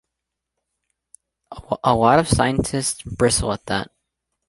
A lot of scientists bristle at that.